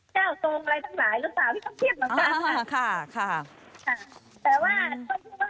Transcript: เจ้าโตอะไรตั้งหลายหรือเปล่าพี่ต้องเทียบเหมือนกัน